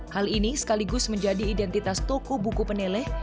hal ini sekaligus menjadi identitas toko buku peneleh